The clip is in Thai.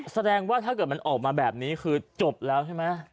แสดงว่าถ้าเกิดมันออกมาแบบนี้คือจบแล้วใช่ไหม